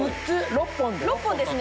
６本です。